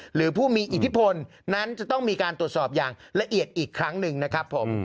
หรือผู้มีอิทธิพลนั้นจะต้องมีการตรวจสอบอย่างละเอียดอีกครั้งหนึ่งนะครับผม